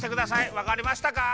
わかりましたか？